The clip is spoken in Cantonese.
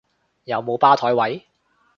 有冇吧枱位？